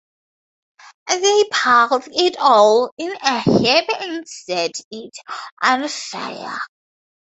They piled it all in a heap and set it on fire.